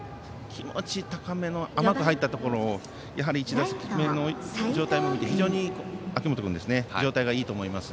気持ち高めの甘く入ったところを１打席目の状態を見て、秋元君は非常に状態がいいと思います。